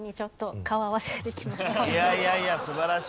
いやいやいや素晴らしい。